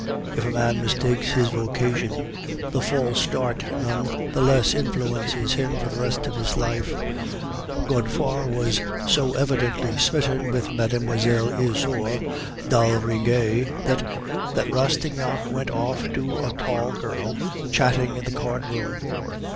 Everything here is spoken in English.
If a man mistakes his vocation, the false start none the less influences him for the rest of his life. Godefroid was so evidently smitten with Mlle. Isaure d'Aldrigger, that Rastignac went off to a tall girl chatting in the card room.